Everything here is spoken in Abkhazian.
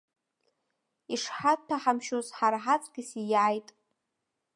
Ишҳаҭәаҳамшьоз, ҳара ҳаҵкьыс ииааит.